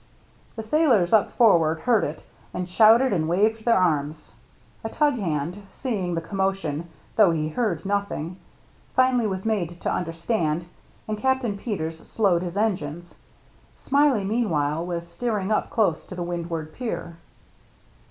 The sailors up forward heard it, and shouted and waved their arms. A tug hand, seeing the commotion, though he heard nothing, finally was made to understand, and Captain Peters slowed his engines. Smiley, meanwhile, was steering up close to the windward pier.